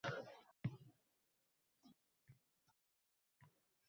millionta odam, millionta fikr, biroq hamma birgalikda, hamjihat yashashi kerak.